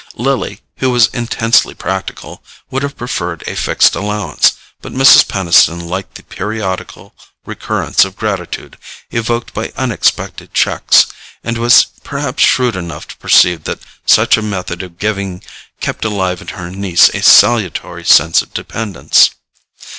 Lily, who was intensely practical, would have preferred a fixed allowance; but Mrs. Peniston liked the periodical recurrence of gratitude evoked by unexpected cheques, and was perhaps shrewd enough to perceive that such a method of giving kept alive in her niece a salutary sense of dependence.